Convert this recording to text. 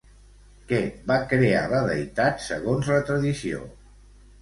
Què va crear la deïtat, segons la tradició?